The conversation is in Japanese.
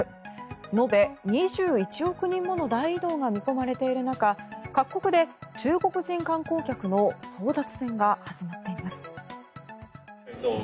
延べ２１億人もの大移動が見込まれている中各国で中国人観光客の争奪戦が始まっています。